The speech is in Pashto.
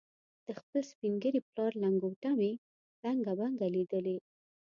د خپل سپین ږیري پلار لنګوټه مې ړنګه بنګه لیدلې.